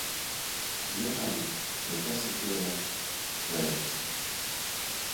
Le gale re ka se ke ra repa.